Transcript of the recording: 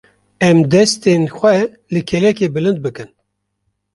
Em destên xwe li kêlekê bilind bikin.